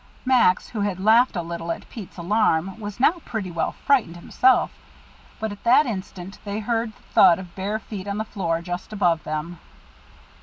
Max, who had laughed a little at Pete's alarm, was now pretty well frightened himself, but at that instant they heard the thud of bare feet on the floor just above them.